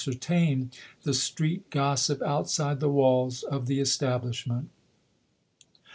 certaiu the street gossip outside the walls of the establishment.